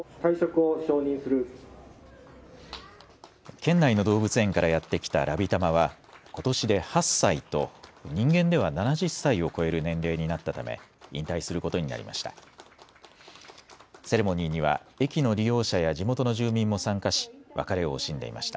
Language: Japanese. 県内の動物園からやって来たラビたまはことしで８歳と、人間では７０歳を超える年齢になったため引退することになりました。